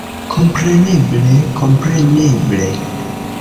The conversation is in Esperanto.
Kompreneble, kompreneble!